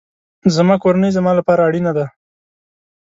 زما کورنۍ زما لپاره اړینه ده